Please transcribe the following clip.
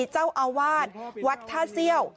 เจ้าอาวาสวัดท่าเซี่ยว